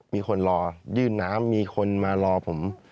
มีคนรอยื่นน้ำมีคนมารอผม